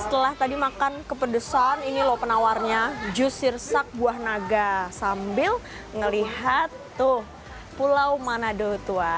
setelah tadi makan kepedesan ini loh penawarnya jus sirsak buah naga sambil melihat tuh pulau manado tua